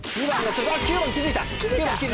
９番気付いた！